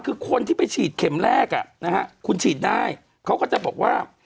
คือคนที่ไปฉีดเข็มแรกคุณฉีดได้เขาก็จะบอกว่า